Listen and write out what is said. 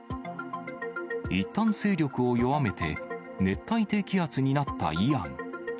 いったん勢力を弱めて熱帯低気圧になったイアン。